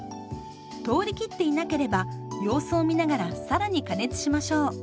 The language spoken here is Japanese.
通りきっていなければ様子を見ながら更に加熱しましょう。